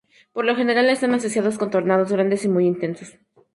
Por lo general, están asociados con tornados grandes y muy intensos.